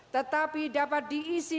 tetapi dapat diisi